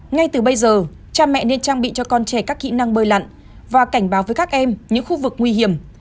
ngay từ bây giờ cha mẹ nên trang bị cho con trẻ các kỹ năng bơi lặn và cảnh báo với các em những khu vực nguy hiểm